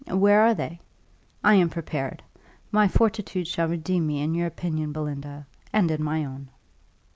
Where are they? I am prepared. My fortitude shall redeem me in your opinion, Belinda, and in my own."